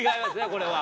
これは。